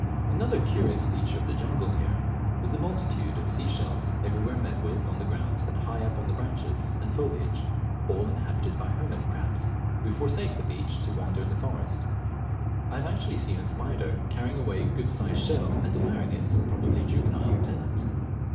Another curious feature of the jungle here was the multitude of sea shells everywhere met with on the ground and high up on the branches and foliage, all inhabited by hermit crabs, who forsake the beach to wander in the forest. I lave actually seen a spider carrying away a good sized shell and devouring its (probably juvenile) tenant.